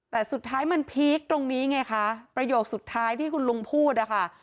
แต่สุดท้ายมันพีคตรงนี้ไงคะประโยคสุดท้ายที่คุณลุงพูดนะคะ